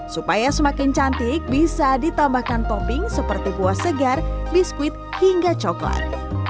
supaya semakin cantik bisa ditambahkan topping seperti buah segar biskuit hingga coklat